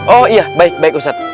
oh iya baik baik ustadz